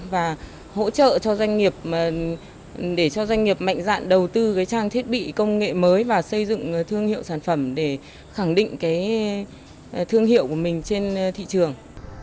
và hỗ trợ cho doanh nghiệp để cho doanh nghiệp mạnh dạn đầu tư trang thiết bị công nghệ mới và xây dựng thương hiệu sản phẩm để khẳng định cái thương hiệu của mình trên thị trường